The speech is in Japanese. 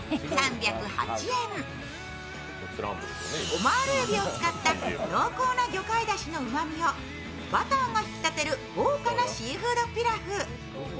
オマールエビを使った濃厚な魚介だしのうまみをバターが引き立てる豪華なシーフードピラフ。